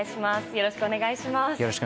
よろしくお願いします。